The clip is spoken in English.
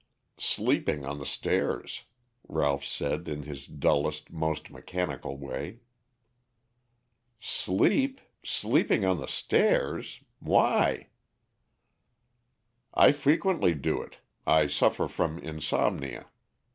"Sleeping on the stairs," Ralph said in his dullest, most mechanical way. "Sleep sleeping on the stairs! Why?" "I frequently do it. I suffer from insomnia.